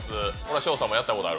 翔さんもやったことある？